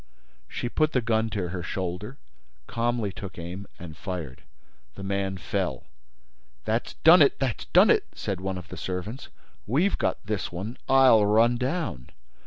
She put the gun to her shoulder, calmly took aim and fired. The man fell. "That's done it! That's done it!" said one of the servants. "We've got this one. I'll run down."